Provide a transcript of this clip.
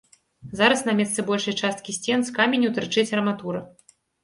Зараз на месцы большай часткі сцен з каменю тырчыць арматура.